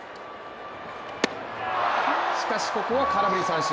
しかし、ここは空振り三振。